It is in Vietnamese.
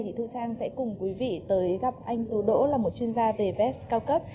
thì thu trang sẽ cùng quý vị tới gặp anh tú đỗ là một chuyên gia về vest cao cấp